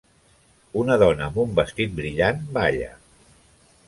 Una dona amb un vestit brillant balla.